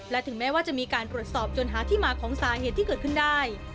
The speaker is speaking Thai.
และถึงแม้ว่าจะมีการตรวจสอบจนหาที่มาของสาเหตุที่เกิดขึ้นได้